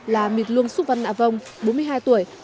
là mịt luông xuất văn nạ vông bốn mươi hai tuổi